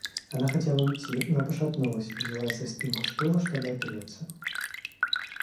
Она хотела уйти, но пошатнулась и взялась за спинку стула, чтоб опереться.